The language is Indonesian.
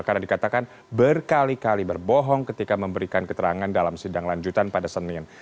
karena dikatakan berkali kali berbohong ketika memberikan keterangan dalam sidang lanjutan pada senin